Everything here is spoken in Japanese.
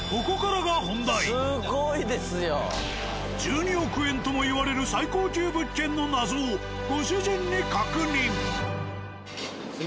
では１２億円ともいわれる最高級物件の謎をご主人に確認。